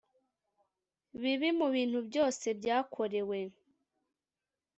bibi mu bintu byose byakorewe